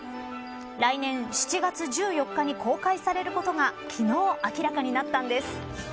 来年７月１４日に公開されることが昨日、明らかになったんです。